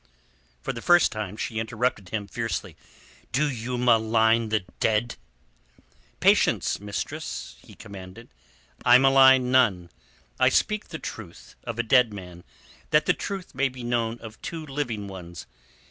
For the first time she interrupted him, fiercely. "Do you malign the dead?" "Patience, mistress," he commanded. "I malign none. I speak the truth of a dead man that the truth may be known of two living ones.